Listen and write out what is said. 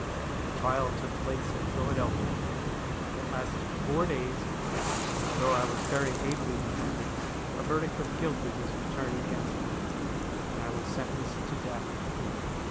The trial took place at Philadelphia. It lasted four days, and, although I was very ably defended, a verdict of guilty was returned against me, and I was sentenced to death.